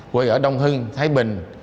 quê ở đông hưng thái bình